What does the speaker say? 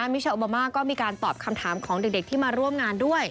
มิเชอร์โอบามาก็มีการตอบคำถามของเด็กที่มาร่วมงานด้วย